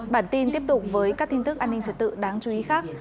bản tin tiếp tục với các tin tức an ninh trật tự đáng chú ý khác